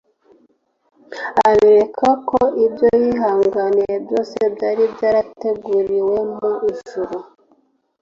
abereka ko ibyo yihanganiye byose byari byarateguriwe mu ijuru